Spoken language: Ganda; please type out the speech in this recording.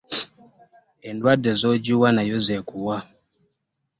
Endwadde z'ogiwa, nayo z'ekuwa